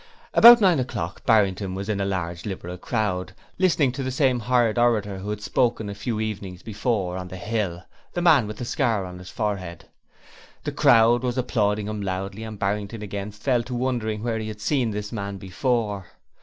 About nine o'clock, Barrington was in a large Liberal crowd, listening to the same hired orator who had spoken a few evenings before on the hill the man with the scar on his forehead. The crowd was applauding him loudly and Barrington again fell to wondering where he had seen this man before.